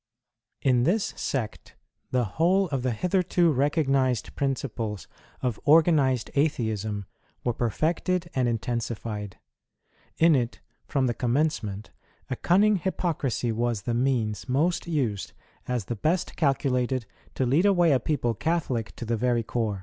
In this sect, the whole of the hitherto recognized principles of organized Atheism were perfected and intensified. In it, from the commencement, a cunning hypocrisy was the means most used as the best calculated to lead away a people Catholic to the very core.